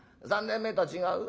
『３年前とは違う』？